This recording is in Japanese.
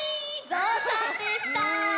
ぞうさんでした。